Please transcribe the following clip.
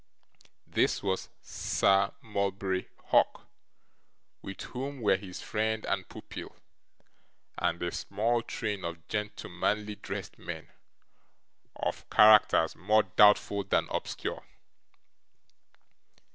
This was Sir Mulberry Hawk, with whom were his friend and pupil, and a small train of gentlemanly dressed men, of characters more doubtful than obscure.